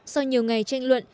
sau nhiều ngày tranh luận